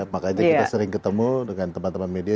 makanya kita sering ketemu dengan teman teman media